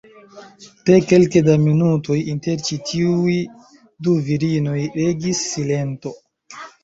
De kelke da minutoj inter ĉi tiuj du virinoj regis silento.